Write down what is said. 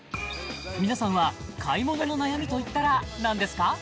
皆さんは買い物の悩みといったら何ですか？